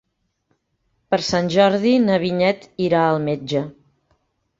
Per Sant Jordi na Vinyet irà al metge.